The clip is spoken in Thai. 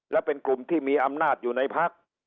และเป็นกลุ่มที่มีอำนาจอยู่ในพัก